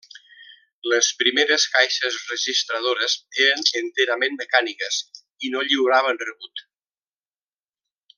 Les primeres caixes registradores eren enterament mecàniques i no lliuraven rebut.